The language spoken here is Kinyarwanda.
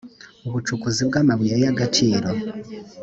ubucukuzi bw amabuye y agaciro